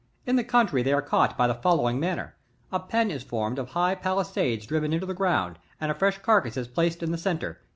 In the country they are caught in the following manner. A pen is formed of high palisadoes driven into the ground, and a fresh carcass placed in the centre.